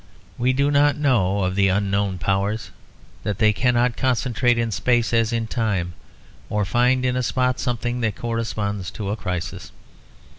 We do not know of the unknown powers that they cannot concentrate in space as in time, or find in a spot something that corresponds to a crisis.